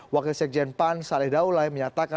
wakil sekjen pan saleh daulai menyatakan